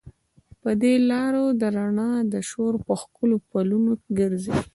پر دې لارو د رڼا د شور، په ښکلو پلونو ګرزي